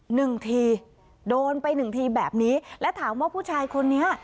หนึ่งทีโดนไปหนึ่งทีแบบนี้และถามว่าผู้ชายคนนี้